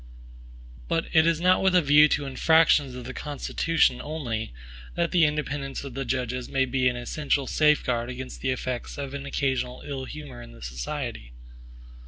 But it is not with a view to infractions of the Constitution only, that the independence of the judges may be an essential safeguard against the effects of occasional ill humors in the society.